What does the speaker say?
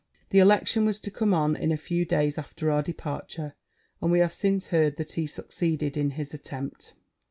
The election was to come on in a few days after our departure; and we have since heard that he succeeded in his attempt.'